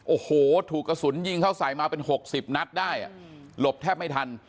โอ้โหถูกกระสุนยิงเข้าใส่มาเป็น๖๐นัดได้หลบแทบไม่ทัน